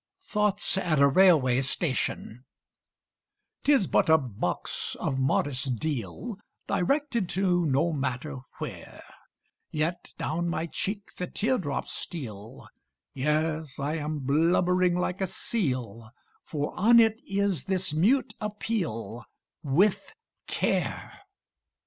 THOUGHTS AT A RAILWAY STATION 'Tis but a box, of modest deal; Directed to no matter where: Yet down my cheek the teardrops steal Yes, I am blubbering like a seal; For on it is this mute appeal, "With care."